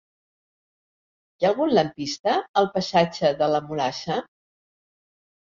Hi ha algun lampista al passatge de la Mulassa?